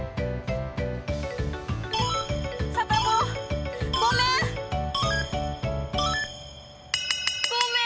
サタボー、ごめん。